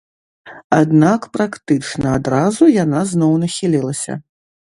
Аднак практычна адразу яна зноў нахілілася.